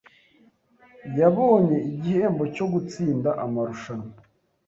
Yabonye igihembo cyo gutsinda amarushanwa.